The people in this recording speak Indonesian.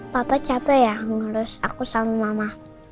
papa capek ya mengelus aku sama mama